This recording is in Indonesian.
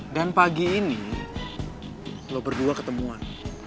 dan pagi ini lo berdua ketemuan